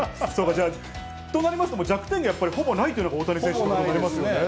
じゃあ、となりますと、弱点がほぼないというのが大谷選手ということになりますね。